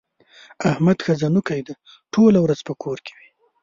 احمد ښځنوکی دی؛ ټوله ورځ په کور کې وي.